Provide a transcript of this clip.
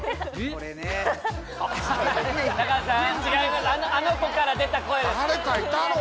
これねあの子から出た声です